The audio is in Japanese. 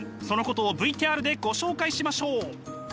そのことをＶＴＲでご紹介しましょう！